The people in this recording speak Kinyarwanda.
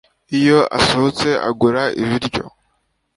iyo asohotse agura ibiryo